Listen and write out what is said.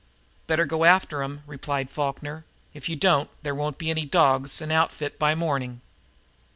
"Better go after 'em," replied Falkner. "If you don't there won't be any dogs an' outfit by morning."